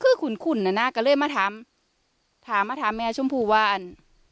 คือขุ่นขุ่นอ่ะน่ะก็เลยมาทำถามมาทำแม่ชมพูว่าอัน